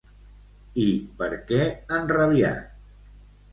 I per què enrabiat?